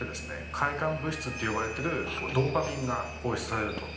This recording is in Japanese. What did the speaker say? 快感物質って呼ばれてるドーパミンが放出されると。